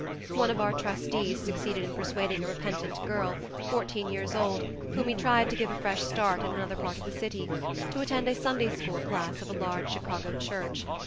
One of our trustees succeeded in persuading a repentant girl, fourteen years old, whom we tried to give a fresh start in another part of the city, to attend a Sunday School class of a large Chicago church.